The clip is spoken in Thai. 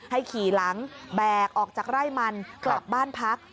ขี่หลังแบกออกจากไร่มันกลับบ้านพัก